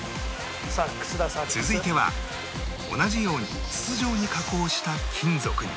続いては同じように筒状に加工した金属に